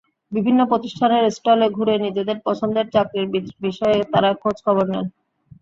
বিভিন্ন প্রতিষ্ঠানের স্টলে ঘুরে নিজেদের পছন্দের চাকরির বিষয়ে তাঁরা খোঁজখবর নেন।